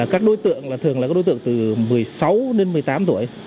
các đối tượng thường là các đối tượng từ một mươi sáu đến một mươi tám tuổi